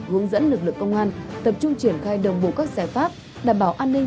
hướng dẫn lực lượng công an tập trung triển khai đồng bộ các giải pháp đảm bảo an ninh